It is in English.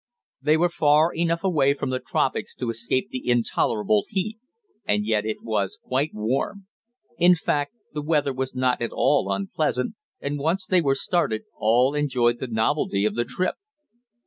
They were far enough away from the tropics to escape the intolerable heat, and yet it was quite warm. In fact the weather was not at all unpleasant, and, once they were started, all enjoyed the novelty of the trip.